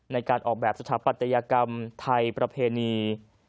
ในการออกแบบสถาปัตยกรรมไทยประเพณี